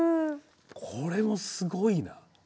これもすごいな。